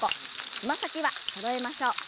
つま先はそろえましょう。